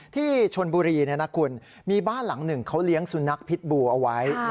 ที่ชนบุรีคุณมีบ้านหลังหนึ่งเขาเลี้ยงสุนัขพิษบูเอาไว้